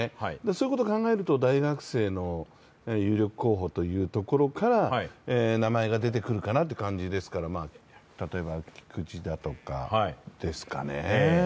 そういうことを考えると、大学生の有力候補というところから名前が出てくるかなという感じですから例えば菊地だとかですかね。